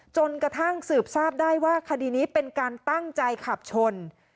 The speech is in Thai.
จนกระทั่งสืบทราบได้ว่าคดีนี้เป็นการตั้งใจขับชน